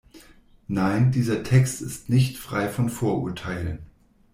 Nein, dieser Text ist nicht frei von Vorurteilen.